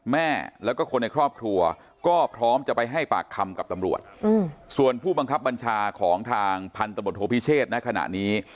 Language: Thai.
แม่แล้วก็คนในครอบครัวก็พร้อมจะไปให้ปากคำกับตำรวจส่วนผู้บังคับบัญชาของทางพันธบทโทพิเชษณะขณะนี้